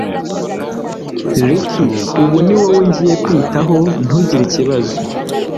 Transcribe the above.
Ricky ubu ni wowe ngiye kwitaho ntugire ikibazo